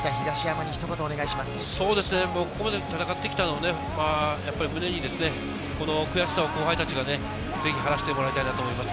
ここまで戦ってきたことを胸に悔しさを後輩たちがぜひ晴らしてもらいたいなと思います。